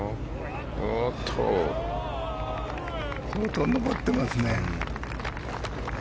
本当、上ってますね。